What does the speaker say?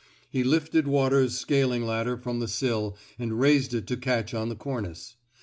He lifted Waters 's scaling ladder from the sill and raised it to catch on the cornice.